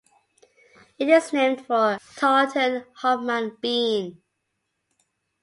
It is named for Tarleton Hoffman Bean.